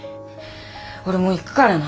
俺もう行くからな。